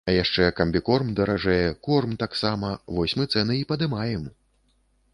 А яшчэ камбікорм даражэе, корм таксама, вось мы цэны і падымаем.